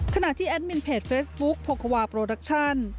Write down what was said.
ขณะที่แอดมินเพจเฟซบุ๊คโพควาโปรดักชั่น